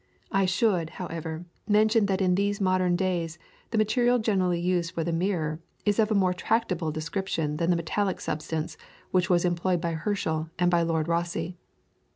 I should, however, mention that in these modern days the material generally used for the mirror is of a more tractable description than the metallic substance which was employed by Herschel and by Lord Rosse.